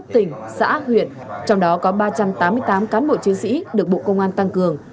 tỉnh xã huyện trong đó có ba trăm tám mươi tám cán bộ chiến sĩ được bộ công an tăng cường